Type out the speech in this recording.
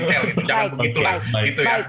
jangan begitu lah